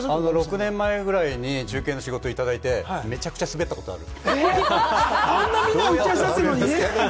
６年ぐらい前に中継の仕事をいただいて、めちゃくちゃすべったことある。